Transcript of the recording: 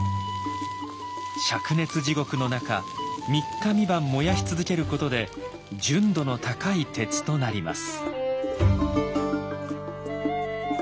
しゃく熱地獄の中三日三晩燃やし続けることで純度の高い鉄となります。